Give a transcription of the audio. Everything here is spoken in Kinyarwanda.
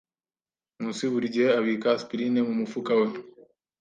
Nkusi buri gihe abika aspirine mu mufuka we.